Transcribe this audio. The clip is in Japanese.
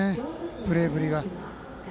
プレーぶりが。